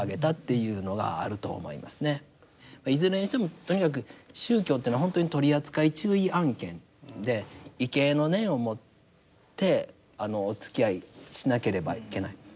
いずれにしてもとにかく宗教というのは本当に取扱注意案件で畏敬の念を持ってあのおつきあいしなければいけない。